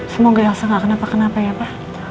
semoga elsa gak kenapa kenapa ya pa